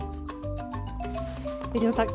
藤野さん